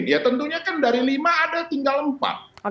ya tentunya kan dari lima ada tinggal empat